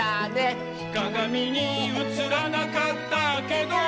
「かがみにうつらなかったけど」